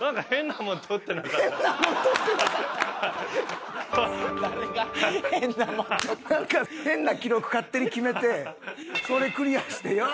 なんか変な記録勝手に決めてそれクリアして「よっしゃー！」